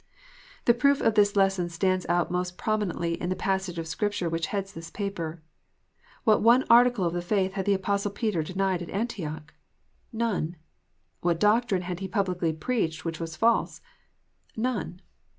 The proof of this lesson stands out most prominently in the passage of Scripture which heads this paper. What one article of the faith had the Apostle Peter denied at Antioch ? None. What doctrine had he publicly preached which was false 1 None.